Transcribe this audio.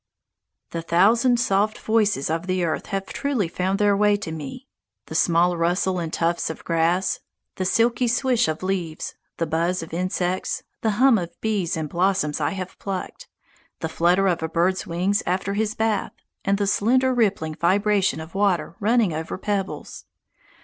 The thousand soft voices of the earth have truly found their way to me the small rustle in tufts of grass, the silky swish of leaves, the buzz of insects, the hum of bees in blossoms I have plucked, the flutter of a bird's wings after his bath, and the slender rippling vibration of water running over pebbles.